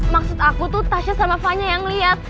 maksud aku tuh tasya sama fanya yang liat